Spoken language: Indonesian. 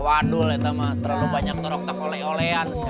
waduh itu mah terlalu banyak orang yang tak boleh boleh